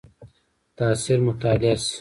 تاثیر مطالعه شي.